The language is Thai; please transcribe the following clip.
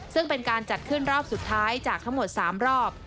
ซึ่งเป็นการจัดขึ้นรอบสุดท้ายจากทั้งหมด๓รอบ